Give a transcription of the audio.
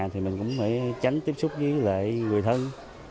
thì mình cũng phải tránh tiếp xúc với lại người thân